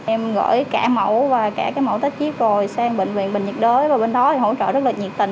em gửi cả mẫu và cả cái mẫu tách chiếc rồi sang bệnh viện bệnh nhiệt đối và bên đó thì hỗ trợ rất là nhiệt tình